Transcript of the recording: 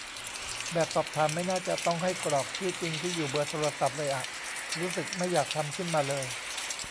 แบบสอบถามไม่น่าจะต้องให้กรอกชื่อจริง ที่อยู่ เบอร์โทรศัพท์ เลยอะ รู้สึกไม่อยากทำขึ้นมาเลย